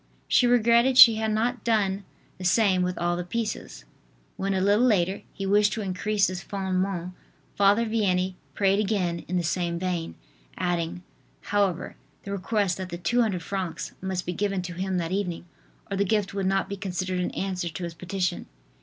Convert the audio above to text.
She regretted she had not done the same with all the pieces. When, a little later, he wished to increase this "Fondement" Father Vianney prayed again in the same vein, adding, however, the request that the 200 francs must be given to him that evening, or the gift would not be considered an answer to his petition.